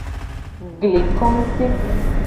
Gli konguti.